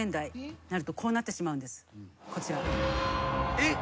えっ！？